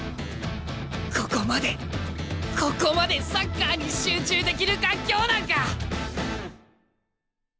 ここまでここまでサッカーに集中できる環境なんか！